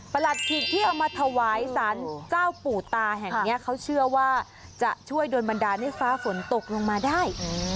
หลัดขิกที่เอามาถวายสารเจ้าปู่ตาแห่งนี้เขาเชื่อว่าจะช่วยโดนบันดาลให้ฟ้าฝนตกลงมาได้